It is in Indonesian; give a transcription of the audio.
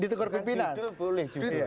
ditegur boleh juga